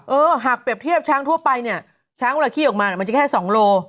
หากเปรียบเทียบช้างทั่วไปเนี่ยช้างเวลาขี้ออกมามันจะแค่๒โล